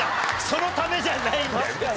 そのためじゃないんだよ